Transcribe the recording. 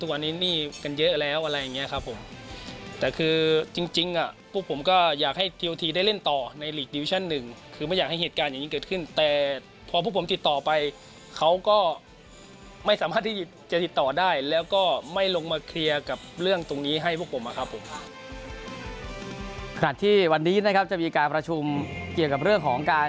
วันนี้นะครับจะมีการประชุมเกี่ยวกับเรื่องของการจัดการแห่งขัน